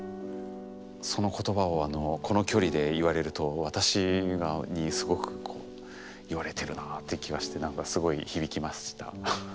その言葉をこの距離で言われると私にすごく言われてるなあって気がしてすごい響きました。